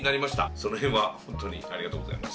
その辺はほんとにありがとうございます。